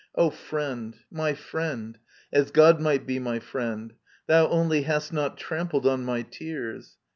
O friend, my friend, as God might be my friend. Thou only hast not trampled on my tears.